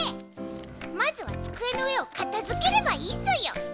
まずは机の上を片づければいいソヨ。